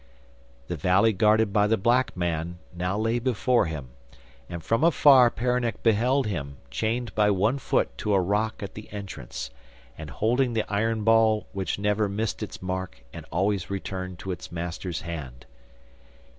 The valley guarded by the black man now lay before him, and from afar Peronnik beheld him, chained by one foot to a rock at the entrance, and holding the iron ball which never missed its mark and always returned to its master's hand.